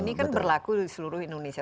ini kan berlaku di seluruh indonesia